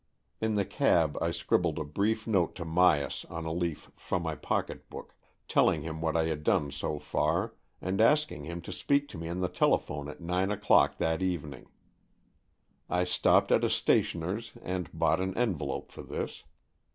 In the cab I scribbled a brief note to Myas on a leaf from my pocket book, telling him what I had done so far, and asking him to speak to me on the telephone at nine o'clock that evening. I stopped at a stationer's and bought an envelope for this.